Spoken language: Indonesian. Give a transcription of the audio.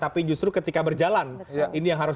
tapi justru ketika berjalan ini yang harus